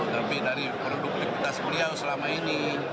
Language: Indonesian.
tapi dari penduduk politik kita sekolah selama ini